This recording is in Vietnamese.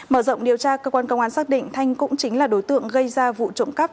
mở rộng điều tra cơ quan công an xác định thanh cũng chính là đối tượng gây ra vụ trộm cắp